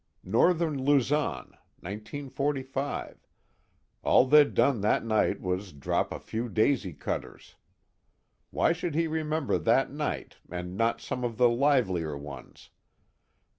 Northern Luzon, 1945: all they'd done that night was drop a few daisy cutters. Why should he remember that night and not some of the livelier ones?